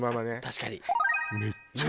確かに！